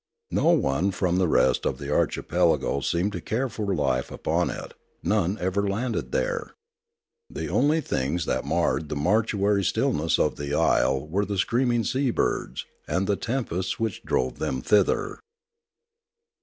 No one from the rest of the archipelago seemed to care for life upon it; none ever landed there. The only things that marred the mortuary stillness of the isle were the 388 Limanora screaming seabirds, and the tempests which drove them thither.